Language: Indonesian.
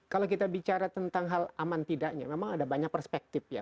kalau kita bicara tentang hal aman tidaknya memang ada banyak perspektif ya